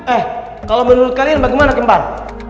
eh kalo menurut kalian bagaimana kembar